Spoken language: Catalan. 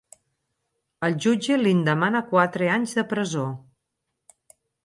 El jutge li'n demana quatre anys de presó.